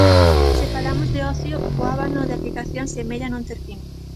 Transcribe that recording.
Se falamos de ocio, o abano de aplicacións semella non ter fin.